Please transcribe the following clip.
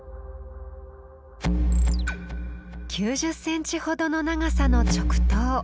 ９０センチほどの長さの直刀。